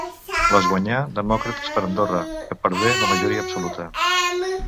Les guanyà Demòcrates per Andorra, que perdé la majoria absoluta.